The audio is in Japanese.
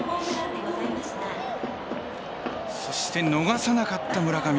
そして、逃さなかった村上。